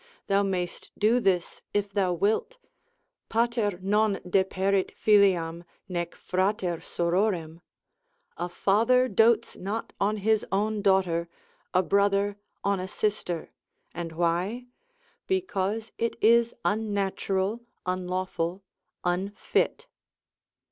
Thou mayst do this if thou wilt, pater non deperit filiam, nec frater sororem, a father dotes not on his own daughter, a brother on a sister; and why? because it is unnatural, unlawful, unfit.